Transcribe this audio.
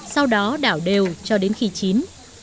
sau đó đảo đều cho đến khi chín